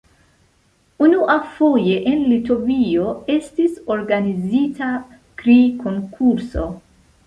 Unuafoje en Litovio estis organizita kri-konkurso.